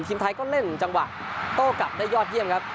ทีมไทยก็เล่นจังหวะโต้กลับได้ยอดเยี่ยมครับ